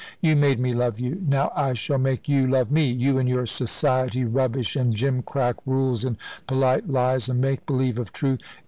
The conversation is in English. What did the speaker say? You made me love you now I shall make you love me. You and your society rubbish, and gimcrack rules, and polite lies, and make believe of truth!